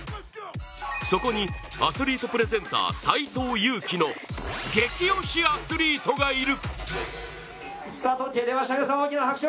そこに、アスリートプレゼンター斎藤佑樹の激推しアスリートがいる。